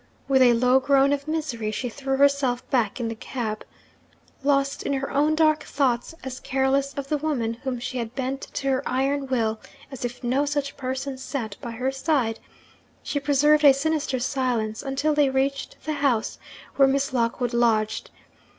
With a low groan of misery, she threw herself back in the cab. Lost in her own dark thoughts, as careless of the woman whom she had bent to her iron will as if no such person sat by her side, she preserved a sinister silence, until they reached the house where Miss Lockwood lodged.